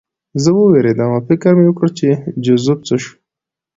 زه ووېرېدم او فکر مې وکړ چې جوزف څه شو